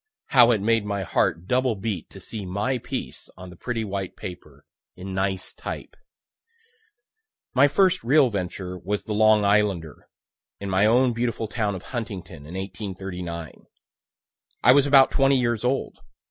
How it made my heart double beat to see my piece on the pretty white paper, in nice type. My first real venture was the "Long Islander," in my own beautiful town of Huntington, in 1839. I was about twenty years old.